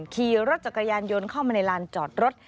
ขี่รถจักรยานยนต์เข้ามาในลานจอดรถ